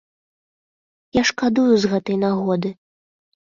Я шкадую з гэтай нагоды.